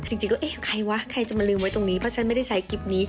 จริงก็เอ๊ะใครวะใครจะมาลืมไว้ตรงนี้เพราะฉันไม่ได้ใช้คลิปนี้